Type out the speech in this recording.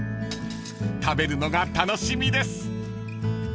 ［食べるのが楽しみです］